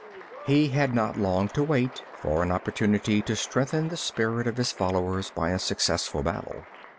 He had not long to wait for an opportunity to strengthen the spirit of his followers by a successful battle.